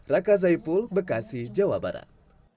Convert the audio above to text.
raka zaipul bekasi jawa barat